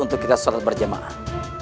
untuk kita salat berjemaah